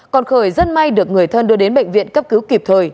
còn khởi rất may được người thân đưa đến bệnh viện cấp cứu kịp thời